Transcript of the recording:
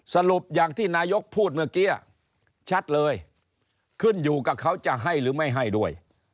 สรุปอย่างที่นายกพูดเมื่อกี้ชัดเลยขึ้นอยู่กับเขาจะให้หรือไม่ให้ด้วย